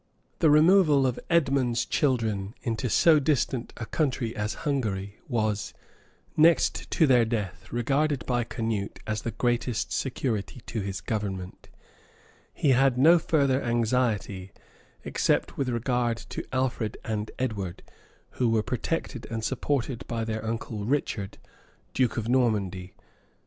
The removal of Edmond's children into so distant a country as Hungary, was, next to their death, regarded by Canute as the greatest security to his government: he had no further anxiety, except with regard to Alfred and Edward, who were protected and supported by their uncle Richard, duke of Normandy.